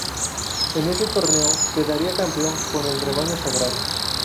En ese torneo, quedaría campeón con el rebaño sagrado.